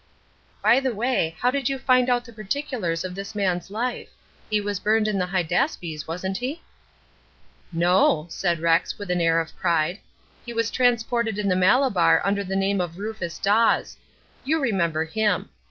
"By the way, how did you find out the particulars of this man's life. He was burned in the Hydaspes, wasn't he?" "No," said Rex, with an air of pride. "He was transported in the Malabar under the name of Rufus Dawes. You remember him.